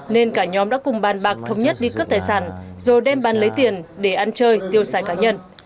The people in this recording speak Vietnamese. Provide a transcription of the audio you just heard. nên cả nhóm đã cùng bàn bạc thống nhất đi cướp tài sản rồi đem bàn lấy tiền để ăn chơi tiêu xài cá nhân